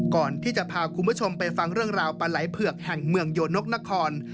ก่อนที่จะพาคุณผู้ชมไปฟังเรื่องราวปลาไหล่เผือกแห่งเมืองโยนกนคร